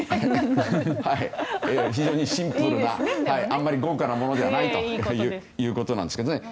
非常にシンプルであんまり豪華なものではないということですね。